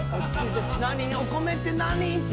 お米って何って。